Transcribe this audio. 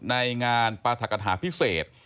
ในงานปรัฐกฐาพิเศษ